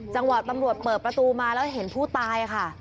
จังหวะตำรวจเปิดประตูมาแล้วเห็นผู้ตายค่ะ